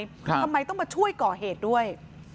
ทำไมต้องมาช่วยก่อเหตุด้วย